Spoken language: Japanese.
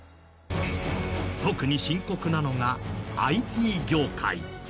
特に深刻なのがＩＴ業界。